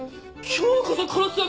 今日こそ殺すわ。